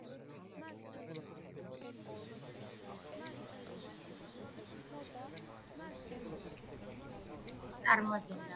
მართალია, „ელვა“ ფორმალურად გაერთიანებული ორგანო იყო, მაგრამ თავისი მიმართულებით იგი ბოლშევიკურ გაზეთს წარმოადგენდა.